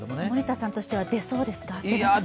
森田さんとしては、出そうですか？